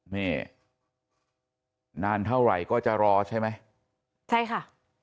นี่นานเท่าไหร่ก็จะรอใช่ไหมใช่ค่ะ